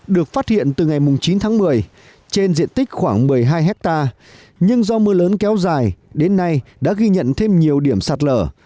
được phát hiện từ ngày chín tháng một mươi trên diện tích khoảng một mươi hai hectare nhưng do mưa lớn kéo dài đến nay đã ghi nhận thêm nhiều điểm sạt lở